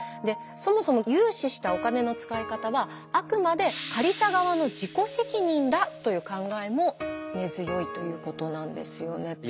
でそもそも融資したお金の使い方はあくまで借りた側の自己責任だという考えも根強いということなんですよね。